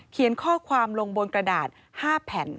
เขียนข้อความลงบนกระดาษ๕แผ่น